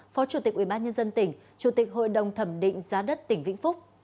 phó chủ tịch ubnd tỉnh chủ tịch hội đồng thẩm định giá đất tỉnh vĩnh phúc